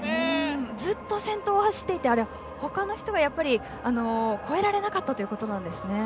ずっと先頭を走っていてほかの人は、やっぱり超えられなかったということなんですね。